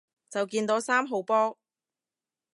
就見到三號波